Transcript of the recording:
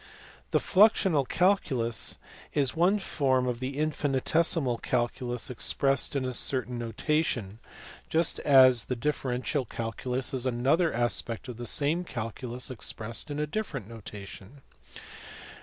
The fiuxional calculus is one form of the infinitesimal calculus expressed in a certain notation, just as the differential calculus is another aspect of the same calculus expressed in a different notation.